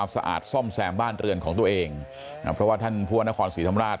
สะอาดซ่อมแซมบ้านเรือนของตัวเองเพราะว่าท่านผู้ว่านครศรีธรรมราช